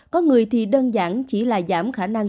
có người thì đơn giản chỉ là giảm khả năng